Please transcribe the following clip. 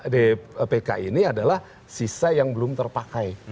dpk ini adalah sisa yang belum terpakai